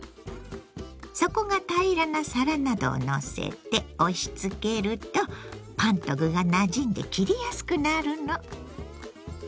底が平らな皿などをのせて押しつけるとパンと具がなじんで切りやすくなるの。